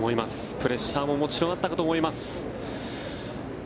プレッシャーももちろんあったかと思います。